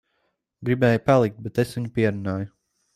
Gribēja palikt, bet es viņu pierunāju.